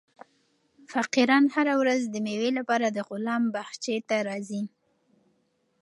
فقیران هره ورځ د مېوې لپاره د غلام باغچې ته راځي.